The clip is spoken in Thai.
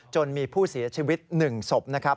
จนมีผู้เสียชีวิต๑ศพนะครับ